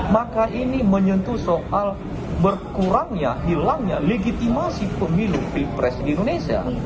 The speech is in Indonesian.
maka ini menyentuh soal berkurangnya hilangnya legitimasi pemilu pilpres di indonesia